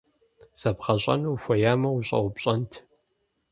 Зэбгъэщӏэну ухуеямэ, ущӏэупщӏэнт.